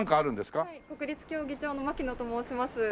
国立競技場の牧野と申します。